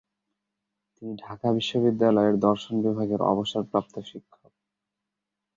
তিনি ঢাকা বিশ্ববিদ্যালয়ের দর্শন বিভাগের অবসর প্রাপ্ত শিক্ষক।